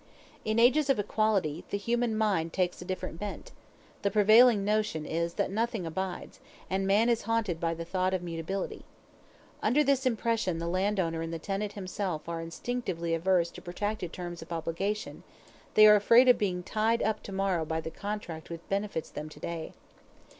In ages of equality, the human mind takes a different bent; the prevailing notion is that nothing abides, and man is haunted by the thought of mutability. Under this impression the landowner and the tenant himself are instinctively averse to protracted terms of obligation; they are afraid of being tied up to morrow by the contract which benefits them today.